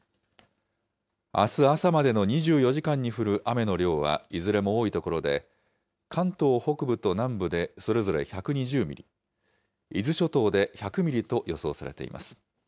あす朝までの２４時間に降る雨の量は、いずれも多い所で、関東北部と南部でそれぞれ１２０ミリ、伊豆諸島で１００ミリと予想されています。